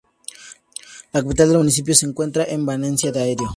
La capital del municipio se encuentra en Valencia de Areo.